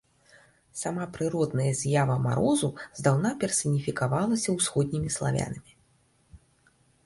Сама прыродная з'ява марозу здаўна персаніфікавалася ўсходнімі славянамі.